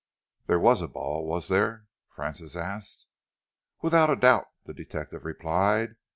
"There was a ball, was there?" Francis asked. "Without a doubt," the detective replied.